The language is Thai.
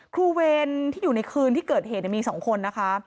เวรที่อยู่ในคืนที่เกิดเหตุมี๒คนนะคะ